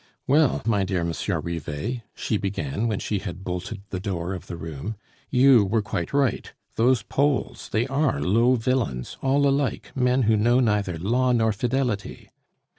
"Well, my dear Monsieur Rivet," she began, when she had bolted the door of the room. "You were quite right. Those Poles! They are low villains all alike, men who know neither law nor fidelity."